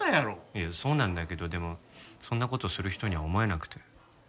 いやそうなんだけどでもそんな事をする人には思えなくて。